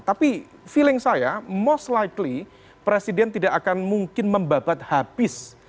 tapi feeling saya most likely presiden tidak akan mungkin membabat habis